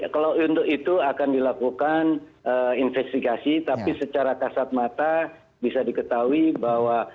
kalau untuk itu akan dilakukan investigasi tapi secara kasat mata bisa diketahui bahwa